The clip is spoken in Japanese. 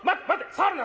触るな！